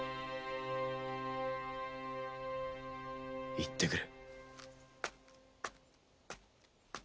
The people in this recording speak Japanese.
行ってくる。